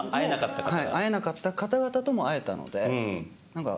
会えなかった方々とも会えたので何か。